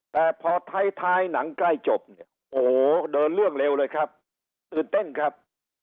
แต่พอท้ายหนังใกล้จบเนี่ยโอ้โหเดินเรื่องเร็วเลยครับตื่นเต้นครับ